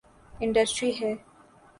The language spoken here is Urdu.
انڈسٹری ہے۔